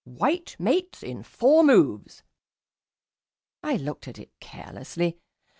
"White mates in four moves." I looked at it carelessly.